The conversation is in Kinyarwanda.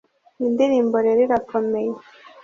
indirimbo rero irakomeye